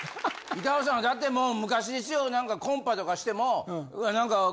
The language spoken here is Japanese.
板尾さんはだってもう昔ですよ何かコンパとかしても。